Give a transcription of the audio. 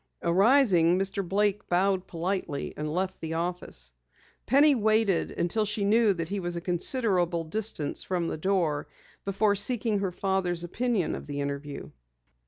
Arising, Mr. Blake bowed politely and left the office. Penny waited until she knew that he was a considerable distance from the door before seeking her father's opinion of the interview.